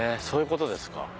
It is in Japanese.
そういう事ですか。